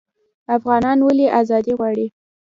افغانان ولې ازادي غواړي؟